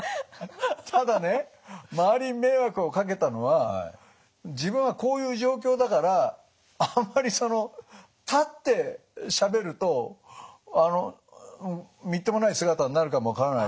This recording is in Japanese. ただね周りに迷惑をかけたのは自分はこういう状況だからあんまりその立ってしゃべるとみっともない姿になるかも分からないと。